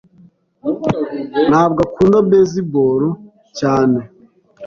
Ntabwo akunda baseball cyane.